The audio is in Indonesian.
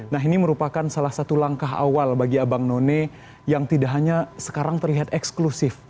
nah ini merupakan salah satu langkah awal bagi abang none yang tidak hanya sekarang terlihat eksklusif